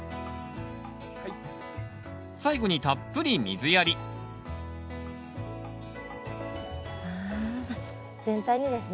最後にたっぷり水やりあ。